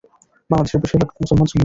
বাংলাদেশের বেশির ভাগ মুসলমান সুন্নি।